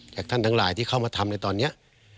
จากท่านทั้งหลายที่เข้ามาทำในตอนนี้